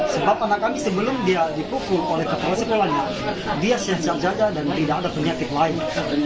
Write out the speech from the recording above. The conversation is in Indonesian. sebab anak kami sebelum dia dipukul oleh kepala sekolahnya dia siap siap jaga dan tidak ada penyakit lain